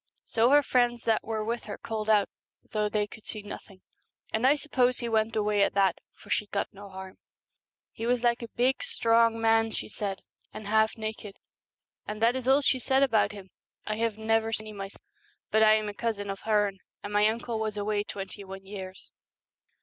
So her friends that were with her called out, though they could see nothing, and I suppose he went away at that, for she got no harm. He was like a big strong 187 man, she said, and half naked, and that is all she said about him. I have never seen any myself, but I am a cousin of Hearne, and my uncle was away twenty one years.'